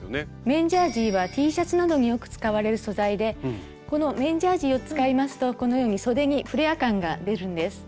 綿ジャージーはＴシャツなどによく使われる素材でこの綿ジャージーを使いますとこのようにそでにフレア感が出るんです。